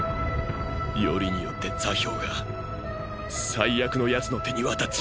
よりによって「座標」が最悪の奴の手に渡っちまった。